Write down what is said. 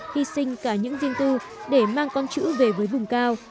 hy sinh cả những riêng tư để mang con chữ về với vùng cao